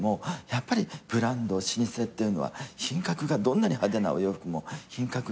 やっぱりブランド老舗っていうのは品格がどんなに派手なお洋服も品格がある。